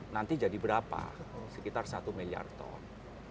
dua ribu enam puluh nanti jadi berapa sekitar satu miliar ton